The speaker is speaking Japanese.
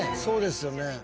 そうですよね。